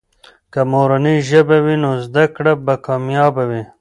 که مورنۍ ژبه وي، نو زده کړه به کامیابه وي.